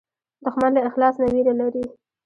دښمن له اخلاص نه وېره لري